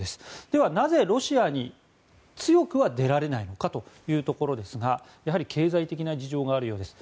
では、なぜロシアに強くは出られないかというところですがやはり経済的な事情があるようです。